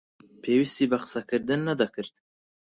پێویستی بە قسەکردن نەدەکرد.